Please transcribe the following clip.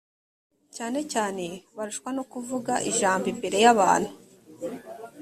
cyane cyane barushywa no kuvuga ijambo imbere yabantu